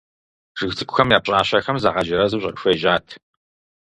Жыг цӀыкӀухэм я пщӀащэхэм загъэджэрэзу хуежьат.